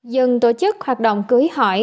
dừng tổ chức hoạt động cưới hỏi